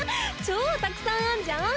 超たくさんあんじゃん。